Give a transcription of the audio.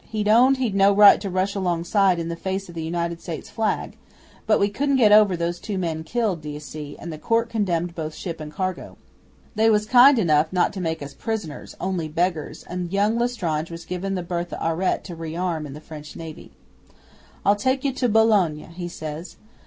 He owned he'd no right to rush alongside in the face o' the United States flag, but we couldn't get over those two men killed, d'ye see, and the Court condemned both ship and cargo. They was kind enough not to make us prisoners only beggars and young L'Estrange was given the BERTHE AURETTE to re arm into the French Navy. '"I'll take you round to Boulogne," he says.